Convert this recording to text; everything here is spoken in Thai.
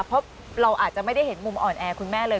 เพราะเราอาจจะไม่ได้เห็นมุมอ่อนแอคุณแม่เลย